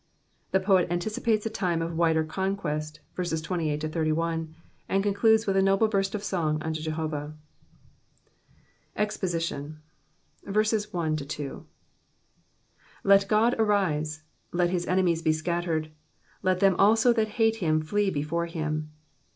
The pod anticipates a time of wider conquest, verses 28 — 31 .* arid concludes witli a noble burst cf song unto Jehovah. EXPOSITION. LET God arise, let his enemies be scattered : let them also that hate him flee before him.